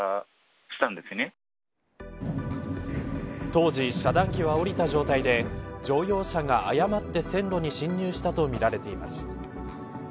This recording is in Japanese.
当時、遮断機は下りた状態で乗用車が誤って線路に侵入したとみられています。